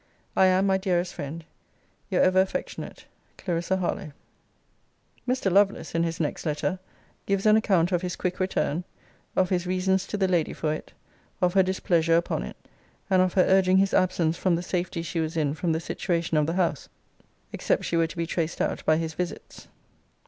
I am, my dearest friend, Your ever affectionate CL. HARLOWE. * See Letter I. of this volume. See also Vol. II. Letter XX. [Mr. Lovelace, in his next letter, gives an account of his quick return: of his reasons to the Lady for it: of her displeasure upon it: and of her urging his absence from the safety she was in from the situation of the house, except she were to be traced out by his visits.